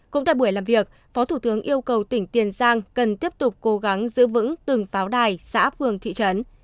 cũng tại buổi làm việc phó thủ tướng yêu cầu tỉnh tiền giang cần tiếp tục cố gắng giữ vững từng pháo đài xã phường thị trấn